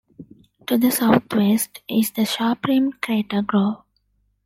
To the southwest is the sharp-rimmed crater Grove.